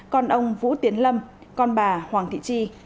con ông vũ tiến lâm con bà hoàng thị chi